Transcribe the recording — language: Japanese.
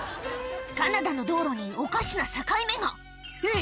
カナダの道路におかしな境目がえ